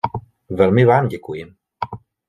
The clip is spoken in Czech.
Velmi vám děkuji.